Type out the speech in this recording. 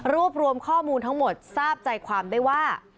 รวบรวมข้อมูลทั้งหมดทราบใจความได้ว่า